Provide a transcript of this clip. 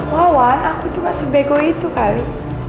wawan aku tuh gak sebego itu kali